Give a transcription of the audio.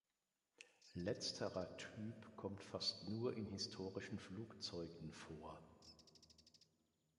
Letzterer Typ kommt fast nur in historischen Flugzeugen vor.